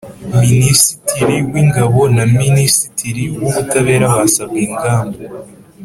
Minisitiri w Ingabo na Minisitiri w Ubutabera basabwe ingamba